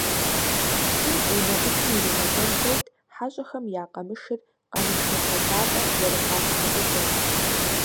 Пщым унэӀутым иригъэщӏэн хуейт хьэщӀэхэм я къамышыр къамышы фӀэдзапӀэм зэрыфӀалъхьэ щӀыкӀэр.